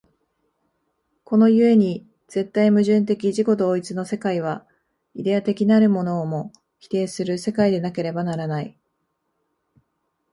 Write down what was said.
この故に絶対矛盾的自己同一の世界は、イデヤ的なるものをも否定する世界でなければならない。